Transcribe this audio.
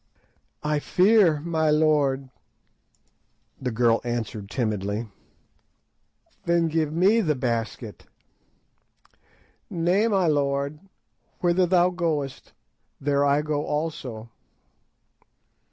"I fear, my lord," the girl answered timidly. "Then give me the basket." "Nay, my lord, whither thou goest there I go also."